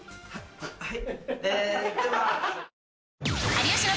はい。